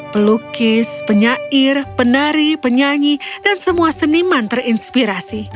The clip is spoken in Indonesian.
pelukis penyair penari penyanyi dan semua seniman terinspirasi